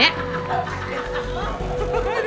อย่างนี้